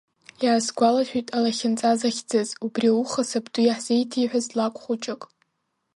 Иаасгәалашәеит Алахьынҵа захьӡыз, убри ауха сабду иаҳзеиҭеиҳәаз лакә хәыҷык.